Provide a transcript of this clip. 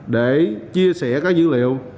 để chia sẻ các dữ liệu